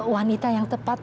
wanita yang tepat